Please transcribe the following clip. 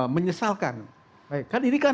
menyesalkan kan ini kan